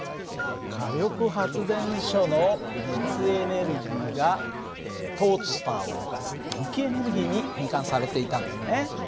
火力発電所の熱エネルギーがトースターを動かす電気エネルギーに変換されていたんだよね。